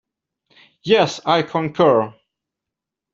Yes, I concur.